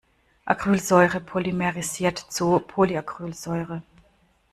Acrylsäure polymerisiert zu Polyacrylsäure.